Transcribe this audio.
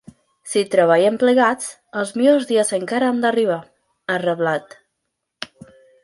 Si treballem plegats, els millors dies encara han d’arribar, ha reblat.